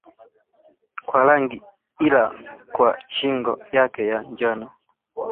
kwa rangi ila kwa shingo yake ya njano